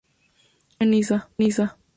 Nació en Niza.